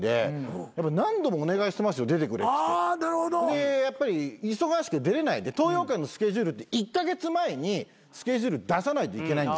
でやっぱり忙しくて出れない東洋館のスケジュールって１カ月前にスケジュール出さないといけないんですよ。